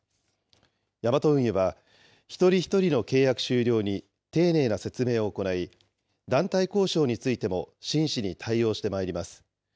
ヤマト運輸は、一人一人の契約終了に丁寧な説明を行い、団体交渉についても真摯に対応してまいります。